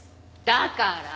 だから！